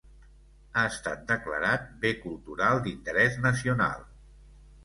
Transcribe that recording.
Ha estat declarat bé cultural d'interès nacional.